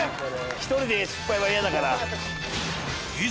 １人で失敗は嫌だから。